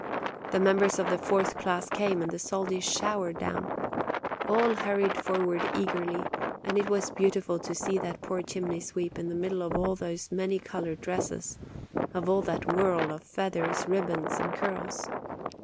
The members of the fourth class came, and the soldi showered down. All hurried forward eagerly; and it was beautiful to see that poor chimney sweep in the midst of all those many colored dresses, of all that whirl of feathers, ribbons, and curls.